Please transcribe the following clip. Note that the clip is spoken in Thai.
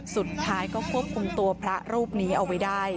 สุดท้ายก็ควบคุมตัวพระรูปนี้เอาไว้ได้